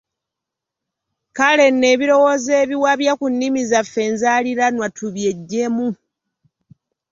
Kale nno ebirowoozo ebiwabya ku nnimi zaffe enzaaliranwa tubyeggyemu.